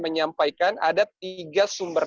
menyampaikan ada tiga sumber